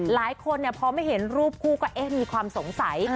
หลายคนพอไม่เห็นรูปคู่ก็เอ๊ะมีความสงสัย